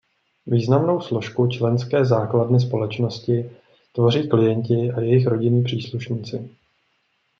Významnou složku členské základny společnosti tvoří klienti a jejich rodinní příslušníci.